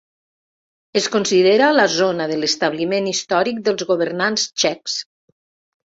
Es considera la zona de l'establiment històric dels governants txecs.